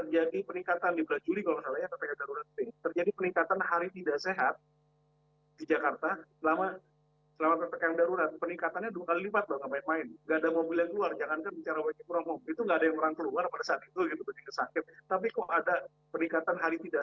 jadi kesakit tapi kalau ada peningkatan hari tidak sehat di jakarta artinya kan ada sumber lain